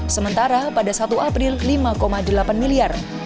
sementara pada satu april lima delapan miliar